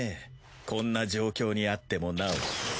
こんな状況にあってもなお。